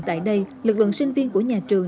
tại đây lực lượng sinh viên của nhà trường